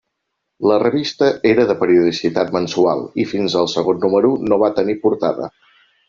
La revista era de periodicitat mensual i fins al segon número no va tenir portada.